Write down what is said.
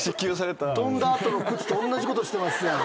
とんだ後の靴とおんなじことしてますやん。